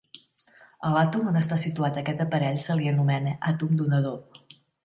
A l'àtom on està situat aquest parell se li anomena àtom donador.